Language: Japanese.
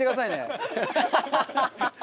ハハハハ！